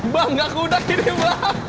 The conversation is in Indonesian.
bang tidak kudak ini bang